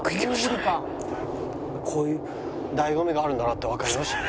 こういう醍醐味があるんだなってわかりましたね。